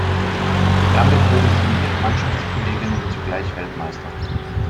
Damit wurde sie mit ihren Mannschaftskolleginnen zugleich Weltmeister.